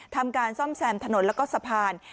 ทำการซ่อมแซมถนนแล้วก็สะพาน